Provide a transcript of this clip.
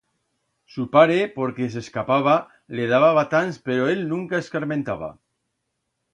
Su pare, porque s'escapaba, le daba batans pero él nunca escarmentaba.